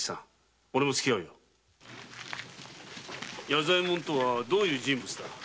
弥左衛門というのはどういう人物だ？